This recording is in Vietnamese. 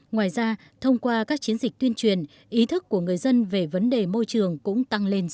ngoài ra thông qua các chiến dịch tuyên truyền ý thức của người dân về vấn đề môi trường cũng tăng lớn